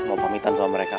mau pamitan sama mereka